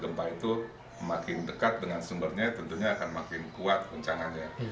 dia bergerak sekitar empat cm ke arah utara kalau di palu koro ya